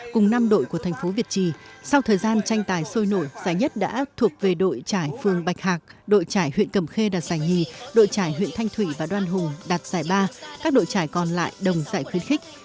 cùng năm đội của thành phố việt trì sau thời gian tranh tài sôi nổi giải nhất đã thuộc về đội trải phương bạch hạc đội trải huyện cầm khê đạt giải nhì đội trải huyện thanh thủy và đoàn hùng đạt giải ba các đội trải còn lại đồng giải khuyến khích